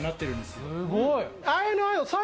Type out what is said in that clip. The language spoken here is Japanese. すごい！